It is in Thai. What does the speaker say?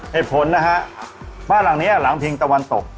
เหตุผลนะฮะบ้านหลังนี้หลังพิงตะวันตก